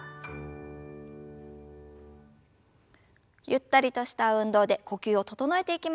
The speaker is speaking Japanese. ゆったりとした運動で呼吸を整えていきましょう。